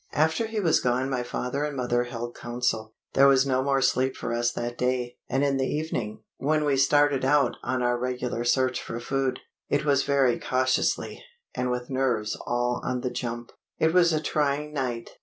After he was gone my father and mother held council. There was no more sleep for us that day, and in the evening, when we started out on our regular search for food, it was very cautiously, and with nerves all on the jump. It was a trying night.